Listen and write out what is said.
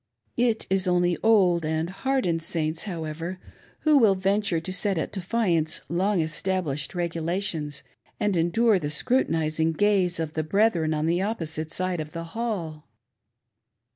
It is only old and hardened Saints, however, who will ven ture to set at defiance long established regulations and endure the scrutinizing gaze of the brethren on the opposite side of the hall.